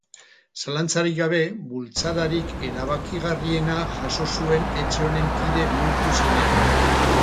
Zalantzarik gabe, bultzadarik erabakigarriena jaso zuen etxe honen kide bihurtu zenean.